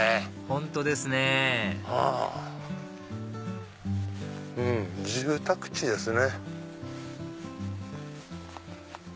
本当ですねうん住宅地ですね。